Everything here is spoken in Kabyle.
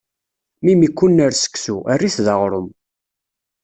Mi m-ikkunner seksu, err-it-d aɣṛum.